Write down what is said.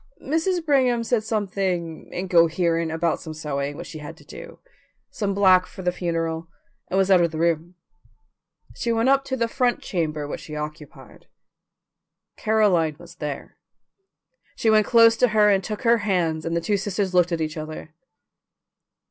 Mrs. Brigham said something incoherent about some sewing which she had to do, some black for the funeral, and was out of the room. She went up to the front chamber which she occupied. Caroline was there. She went close to her and took her hands, and the two sisters looked at each other.